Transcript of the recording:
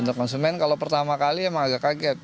untuk konsumen kalau pertama kali emang agak kaget